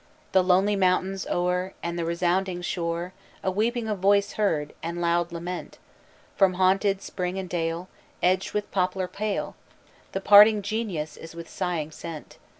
"The lonely mountains o'er And the resounding shore A voice of weeping heard, and loud lament. From haunted spring and dale, Edged with poplar pale, The parting genius is with sighing sent.